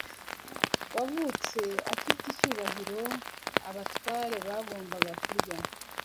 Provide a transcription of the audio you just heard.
wavutse afite icyubahiro abatware bagomba kurya